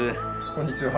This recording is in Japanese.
こんにちは。